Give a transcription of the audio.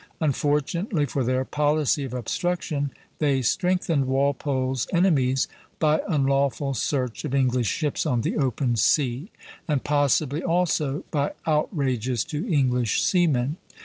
Unfortunately for their policy of obstruction, they strengthened Walpole's enemies by unlawful search of English ships on the open sea, and possibly also by outrages to English seamen.